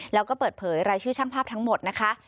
แล้วก็เปิดเผยรายชื่อช่างภาพทั้งหมดนะคะ